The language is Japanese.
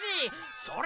それ！